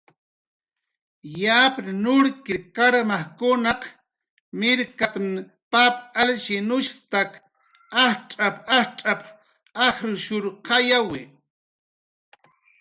"Yapn nurkir karmajkunaq mirkatn pap alshinushstak ajtz'ap"" ajtz'ap"" ajrshuurqayawi."